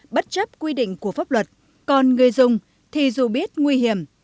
bất chấp quy định của pháp luật còn người dùng thì dù biết nguy hiểm